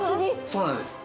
そうなんです。